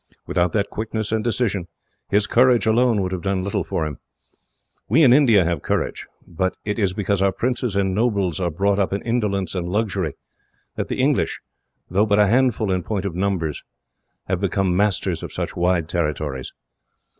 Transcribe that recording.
Without that quickness and decision, his courage alone would have done little for him. We in India have courage; but it is because our princes and nobles are brought up in indolence and luxury that the English, though but a handful in point of numbers, have become masters of such wide territories.